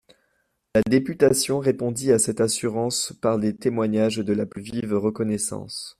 La députation répondit à cette assurance par les témoignages de la plus vive reconnaissance.